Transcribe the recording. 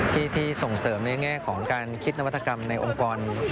ที่ส่งเสริมในแง่ของการคิดนวัตกรรมในองค์กร